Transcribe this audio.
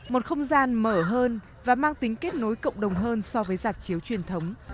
một không gian mở hơn và mang tính kết nối cộng đồng hơn so với giảm chiếu truyền thống